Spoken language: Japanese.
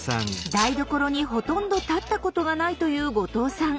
台所にほとんど立ったことがないという後藤さん。